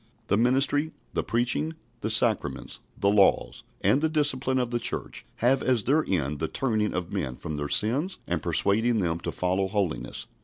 The ministry, the preaching, the sacraments, the laws, and the discipline of the Church have as their end the turning of men from their sins and persuading them to follow holiness.